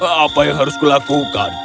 apa yang harus kulakukan